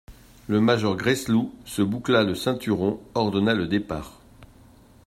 Le major Gresloup se boucla le ceinturon, ordonna le départ.